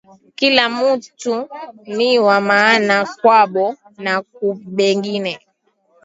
Kila muntu niwa maana kwabo na kubengine